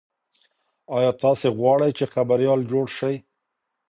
ایا تاسي غواړئ چې خبریال جوړ شئ؟